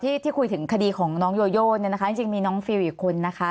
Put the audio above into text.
ที่คุยถึงคดีของน้องโยโยเนี่ยนะคะจริงมีน้องฟิลอีกคนนะคะ